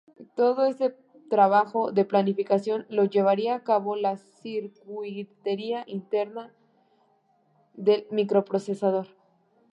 Todo este trabajo de planificación lo llevaría a cabo la circuitería interna del microprocesador.